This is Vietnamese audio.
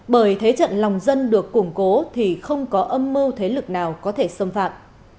bởi thế trận lòng dân được củng cố thì không có âm mưu thế lực nào có thể xâm phạm